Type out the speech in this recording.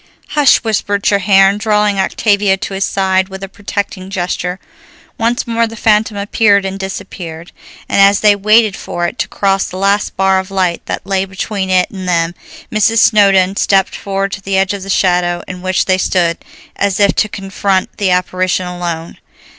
"Hush!" whispered Treherne, drawing Octavia to his side with a protecting gesture. Once more the phantom appeared and disappeared, and as they waited for it to cross the last bar of light that lay between it and them, Mrs. Snowdon stepped forward to the edge of the shadow in which they stood, as if to confront the apparition alone.